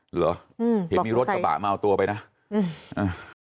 เหรออืมเห็นมีรถกระบะมาเอาตัวไปนะอืมอ่า